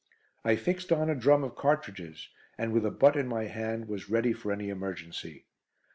I fixed on a drum of cartridges, and with a butt in my hand was ready for any emergency.